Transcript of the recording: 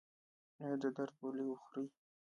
ایا د درد ګولۍ خورئ؟